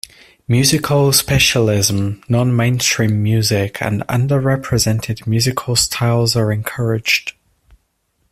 Musical specialism, non-mainstream music and under-represented musical styles are encouraged.